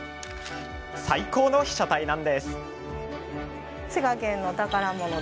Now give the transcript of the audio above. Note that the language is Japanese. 最高の被写体なんです。